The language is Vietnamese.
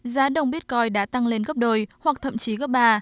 giá đồng bitcoin đã tăng lên gấp đôi hoặc thậm chí gấp ba